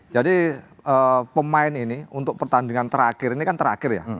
jadi pemain ini untuk pertandingan terakhir ini kan terakhir ya